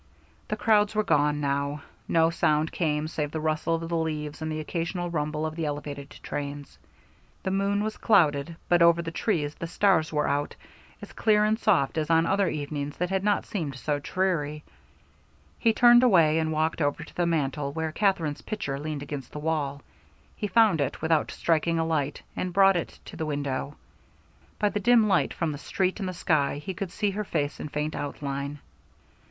The crowds were gone now. No sound came save the rustle of the leaves and the occasional rumble of the elevated trains. The moon was clouded, but over the trees the stars were out, as clear and soft as on other evenings that had not seemed so dreary. He turned away and walked over to the mantel, where Katherine's picture leaned against the wall. He found it without striking a light, and brought it to the window. By the dim light from the street and the sky, he could see her face in faint outline.